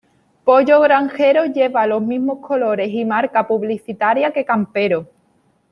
Pollo Granjero lleva los mismos colores y marca publicitaria que Campero.